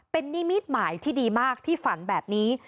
เป็นนิมิตหมายที่ดีมากที่ฝันแบบนี้